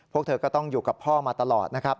พวกเธอก็ต้องอยู่กับพ่อมาตลอดนะครับ